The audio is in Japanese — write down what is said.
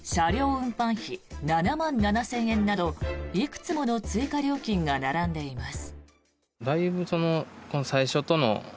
運搬費７万７０００円などいくつもの追加料金が並んでいます。